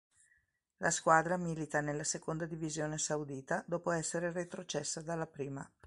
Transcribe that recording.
La squadra milita nella seconda divisione saudita dopo essere retrocessa dalla prima.